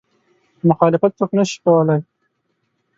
مخالفت څوک نه شي کولی.